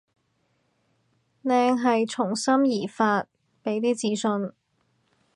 靚係從心而發，畀啲自信